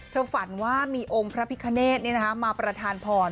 เธอฝันว่ามีองค์พระพิกาเนสมาประทานผ่อน